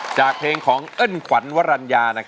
จากเพลงของเอิ้นขวัญวรรณญา